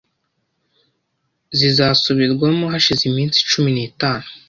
zizasubirwamo hashize iminsi cumi nitanu